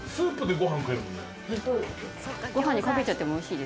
ご飯にかけちゃっても美味しいですよ。